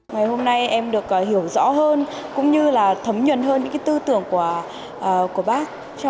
ngày hôm nay em được hiểu rõ hơn cũng như là thấm nhuận hơn những tư tưởng của bác